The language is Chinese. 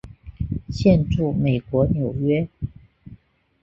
现住美国纽约。